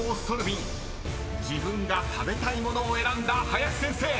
［自分が食べたい物を選んだ林先生］